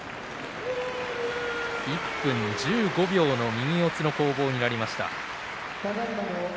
１分１５秒の右四つの攻防になりました。